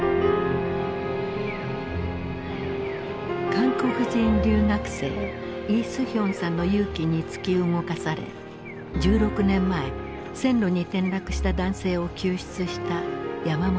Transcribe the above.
韓国人留学生イ・スヒョンさんの勇気に突き動かされ１６年前線路に転落した男性を救出した山本勲さん。